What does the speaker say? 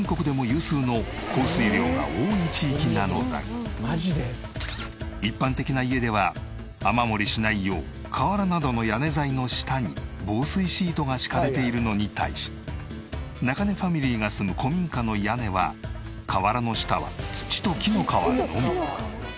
実はここ一般的な家では雨漏りしないよう瓦などの屋根材の下に防水シートが敷かれているのに対し中根ファミリーが住む古民家の屋根は瓦の下は土と木の皮のみ。